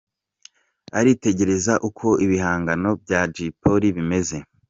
Aritegereza uko ibihangano bya Jay Polly bimeze.